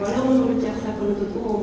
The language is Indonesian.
walau menurut jasa penuntut umum